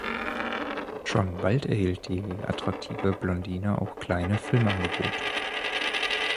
Schon bald erhielt die attraktive Blondine auch kleine Filmangebote.